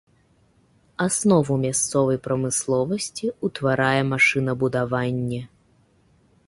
Аснову мясцовай прамысловасці ўтварае машынабудаванне.